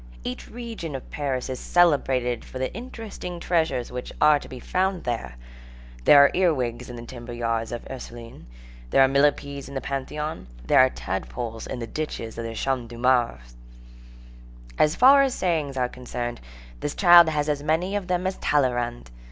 Each region of Paris is celebrated for the interesting treasures which are to be found there. There are ear wigs in the timber yards of the Ursulines, there are millepeds in the Pantheon, there are tadpoles in the ditches of the Champs de Mars. As far as sayings are concerned, this child has as many of them as Talleyrand.